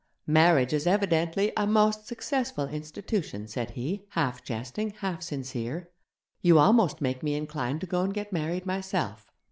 'Marriage is evidently a most successful institution,' said he, half jesting, half sincere; 'you almost make me inclined to go and get married myself.